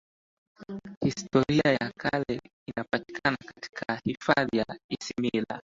historia ya kale inapatikana katika hifadhi ya isimila